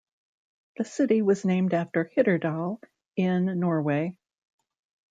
The city was named after Hitterdal, in Norway.